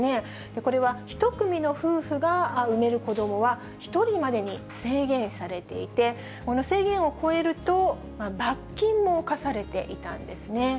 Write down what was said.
これは、１組の夫婦が生める子どもは、１人までに制限されていて、この制限を超えると、罰金もかされていたんですね。